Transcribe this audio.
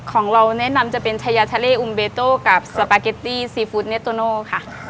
ของเราแนะนำจะเป็นชายาทะเลอุมเบโต้กับสปาเกตตี้ซีฟู้ดเนสโตโน่ค่ะ